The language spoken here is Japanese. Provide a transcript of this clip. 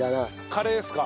カレーですか？